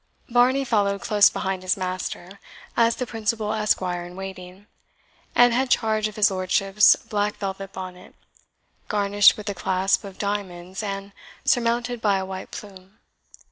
Varney followed close behind his master, as the principal esquire in waiting, and had charge of his lordship's black velvet bonnet, garnished with a clasp of diamonds and surmounted by a white plume.